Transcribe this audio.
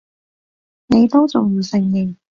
你都仲唔承認！